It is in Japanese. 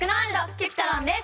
Ｃｕｐｉｔｒｏｎです。